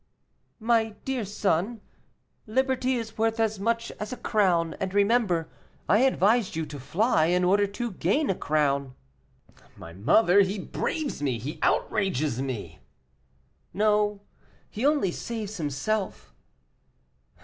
"My dear son, liberty is worth as much as a crown; and remember, I advised you to fly in order to gain a crown." "My mother, he braves me he outrages me!" "No; he only saves himself."